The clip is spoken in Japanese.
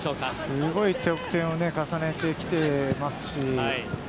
すごい得点を重ねてきていますし。